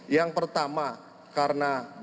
yang pertama karena bahan